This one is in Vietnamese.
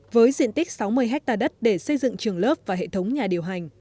với diện tích sáu mươi hectare đất để xây dựng trường lớp và hệ thống nhà điều hành